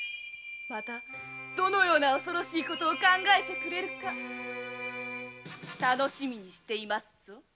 またどんな恐ろしいことを考えてくれるのか楽しみにしていますぞ。